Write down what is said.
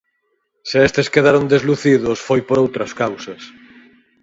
Se estes quedaron deslucidos foi por outras causas.